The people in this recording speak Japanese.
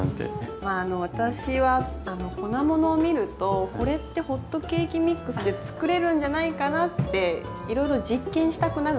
まあ私は粉ものを見るとこれってホットケーキミックスで作れるんじゃないかなっていろいろ実験したくなるんですよ。